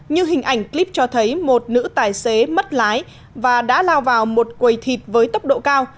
như hình ảnh clip cho thấy một nữ tài xế mất lái và đã lao vào một quầy thịt với tốc độ cao